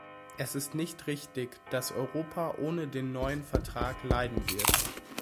Es ist nicht richtig, dass Europa ohne den neuen Vertrag leiden wird.